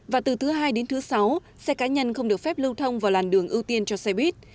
và từ thứ hai đến thứ sáu xe cá nhân không được phép lưu thông vào làn đường ưu tiên cho xe buýt